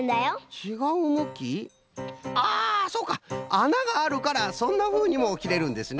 あながあるからそんなふうにもきれるんですね！